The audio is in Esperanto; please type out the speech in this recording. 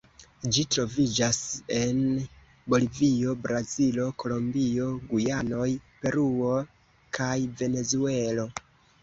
Ĝi troviĝas en Bolivio, Brazilo, Kolombio, Gujanoj, Peruo kaj Venezuelo.